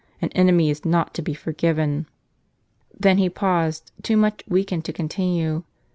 An enemy is not to be forgiven." Then he paused, too much weakened to continue.